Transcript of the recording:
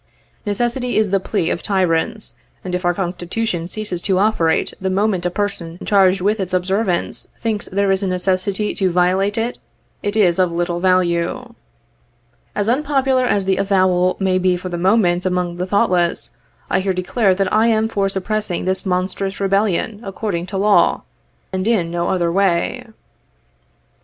Necessity is the plea of tyrants, and if our Constitution ceases to operate the moment a person charged ivith its observance thinks there is a necessity to violate it, it is of little value. jls unpopular as the mo will may be for the moment among the thoughtless, I here declare thai lam for stqiprcssing this monstrous rebellion according to law, mid in no other xoay.